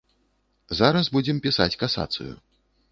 Зараз будзем пісаць касацыю.